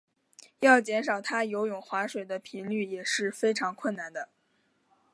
要减少他游泳划水的频率也是非常困难的。